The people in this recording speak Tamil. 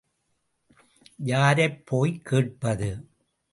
யாரைப் போய் கேட்பது?